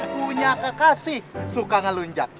punya kekasih suka ngelunjak